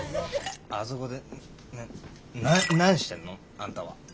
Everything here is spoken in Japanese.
あそこでなん何してんの？あんたは。